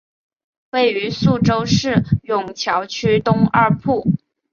位于宿州市埇桥区东二铺。